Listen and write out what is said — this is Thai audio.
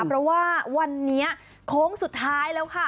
เพราะว่าวันนี้โค้งสุดท้ายแล้วค่ะ